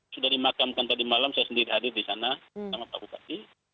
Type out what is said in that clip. sudah dimakamkan tadi malam saya sendiri hadir di sana sama pak bupati